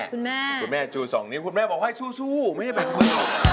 คุณแม่จู๒นิ้มคุณแม่บอกว่าซู่ไม่ได้แผ่นที่๑